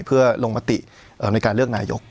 เพื่อลงมติในการเลือกนายก